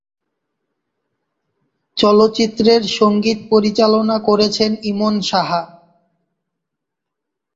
চলচ্চিত্রের সঙ্গীত পরিচালনা করেছেন ইমন সাহা।